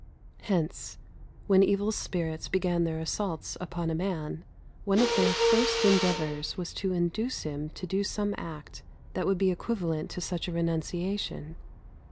Hence, when evil spirits began their assaults upon a man, one of their first endeavours was to induce him to do some act that would be equivalent to such a renunciation.